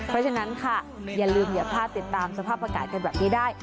เพราะฉะนั้นค่ะอย่าลืมอย่าพลาดติดตามสภาพอากาศกันแบบนี้ได้